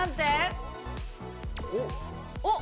おっ！